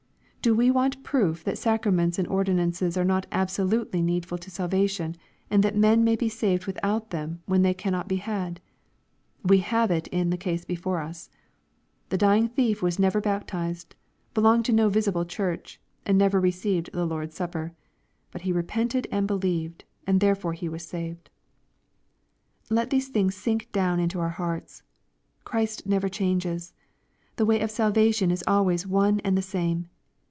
Do we want proof that sacraments and ordinances are not absolutely needful to salvation, and that men may be saved without them when they cannot be had ? We have it in the case before us. The dying thief was never baptized, belonged to no visible church, and never re ceived the Lord's supper. But he repented and believed, and therefore he was saved. Let these things sink down into our hearts. Christ never changes. The way of salvation is always one and the same.